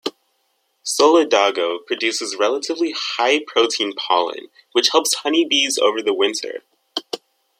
"Solidago" produces relatively high protein pollen, which helps honey bees over winter.